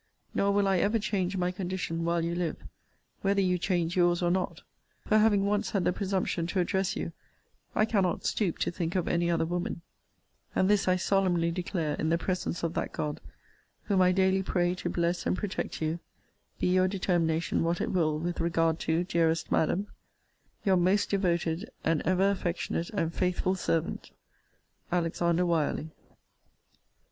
Nor will I ever change my condition, while you live, whether you change your's or not: for, having once had the presumption to address you, I cannot stoop to think of any other woman: and this I solemnly declare in the presence of that God, whom I daily pray to bless and protect you, be your determination what it will with regard to, dearest Madam, Your most devoted and ever affectionate and faithful servant, ALEXANDER WYERLEY.